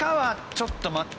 ちょっと待って。